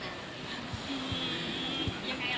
จะบอกอะไรดี